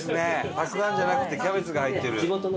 たくあんじゃなくてキャベツが入ってる。